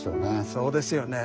そうですよね。